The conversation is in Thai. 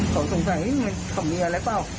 เค้าสงสัยมันมีอะไรเป้า